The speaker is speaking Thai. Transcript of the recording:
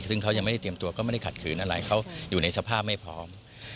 ซึ่งเขายังไม่ได้เตรียมตัวก็ไม่ได้ขัดขืนอะไรเขาอยู่ในสภาพไม่พร้อม